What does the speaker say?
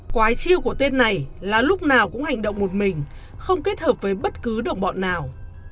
quái chiêu của tên này là lúc nào cũng hành động một mình không kết hợp với bất cứ đồng bọn nào